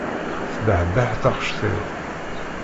Tebbeḥbeḥ taɣect-iw.